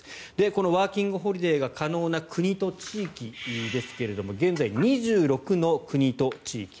このワーキングホリデーが可能な国と地域ですが現在、２６の国と地域。